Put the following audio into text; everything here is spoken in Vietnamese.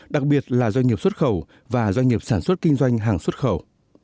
đặc biệt là doanh nghiệp xuất khẩu và doanh nghiệp sản xuất kinh doanh hàng xuất khẩu